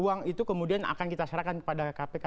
uang itu kemudian akan kita serahkan kepada kpk